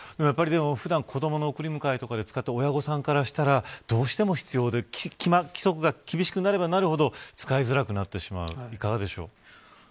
普段、子どもの送り迎えとかで使う親御さんからしたらどうしても必要で規則が厳しくなればなるほど使いづらくなってしまういかがでしょう。